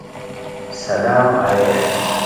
سلام اریر